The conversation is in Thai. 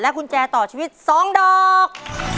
กุญแจต่อชีวิต๒ดอก